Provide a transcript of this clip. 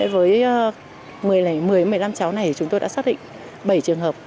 với một mươi một mươi năm cháu này thì chúng tôi đã xác định bảy trường hợp